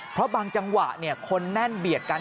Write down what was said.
เพราะบางจังหวะคนแน่นเบียดกัน